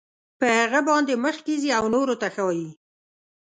په هغه باندې مخکې ځي او نورو ته ښایي.